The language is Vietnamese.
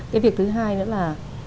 cái việc thứ hai nữa là